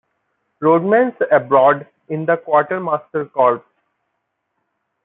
Rodman's abroad in the Quartermaster Corps.